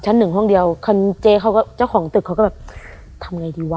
หนึ่งห้องเดียวคันเจ๊เขาก็เจ้าของตึกเขาก็แบบทำไงดีวะ